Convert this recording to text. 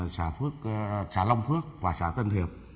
xã phước xã long phước và xã tân hiệp